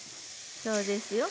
そうですよ。